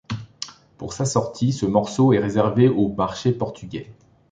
Pour sa sortie, ce morceau est réservé au marché portugais.